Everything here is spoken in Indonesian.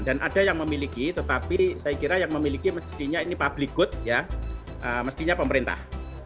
dan ada yang memiliki tetapi saya kira yang memiliki mestinya public good mestinya pemerintah